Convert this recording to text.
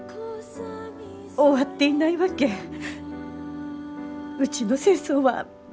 終わっていないわけうちの戦争は。